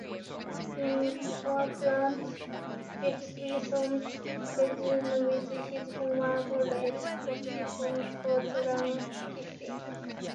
In Oakland, Williams reunited with his former college positions coach Lane Kiffin.